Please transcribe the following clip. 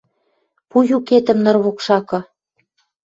Пу юкетӹм ныр покшакы